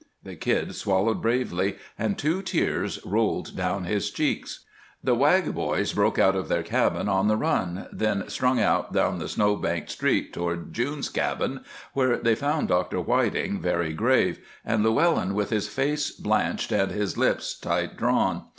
The Kid swallowed bravely, and two tears rolled down his cheeks. The Wag boys broke out of their cabin on the run, then strung out down the snow banked street toward June's cabin, where they found Dr. Whiting, very grave, and Llewellyn with his face blanched and his lips tight drawn.